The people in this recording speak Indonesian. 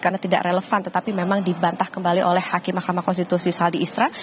karena tidak relevan tetapi memang dibantah kembali oleh hakim mahkamah konstitusi saldi isra